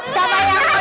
siapa yang tangkep